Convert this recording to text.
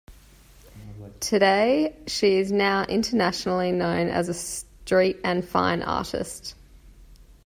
Today, she is now internationally known as a street and fine artist.